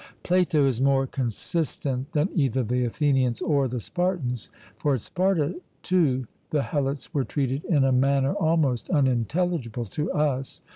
Plato is more consistent than either the Athenians or the Spartans; for at Sparta too the Helots were treated in a manner almost unintelligible to us.